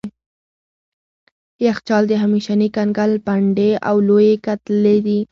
یخچال د همیشني کنګل پنډې او لويې کتلې دي.